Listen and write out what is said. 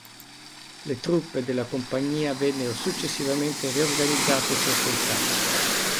Le truppe della compagnia vennero successivamente riorganizzate sotto il Cap.